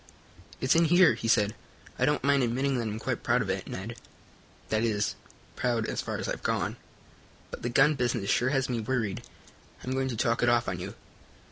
"It's in here," he said. "I don't mind admitting that I'm quite proud of it, Ned; that is, proud as far as I've gone. But the gun business sure has me worried. I'm going to talk it off on you.